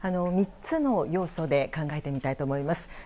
３つの要素で考えてみたいと思います。